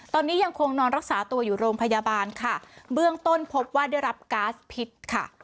ตอนนี้ยังคงนอนรักษาตัวอยู่โรงพยาบาลค่ะเบื้องต้นพบว่าได้รับก๊าซพิษค่ะ